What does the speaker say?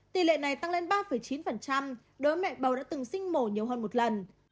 tỷ lệ này tăng lên ba chín đối với mẹ bầu đã từng sinh mổ nhiều hơn một lần